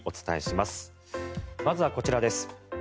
まずはこちらです。